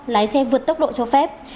lái xe vượt tốc độ cho phép